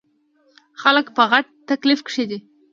خلک په غټ تکليف کښې دے ـ